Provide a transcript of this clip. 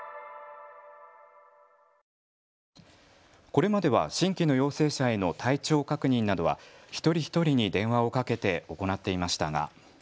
これまでは新規の陽性者への体調確認などは一人一人に電話をかけて行っていましたが。